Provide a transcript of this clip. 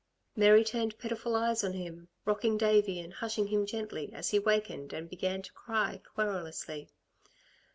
Mary turned pitiful eyes on him, rocking Davey and hushing him gently, as he wakened and began to cry querulously.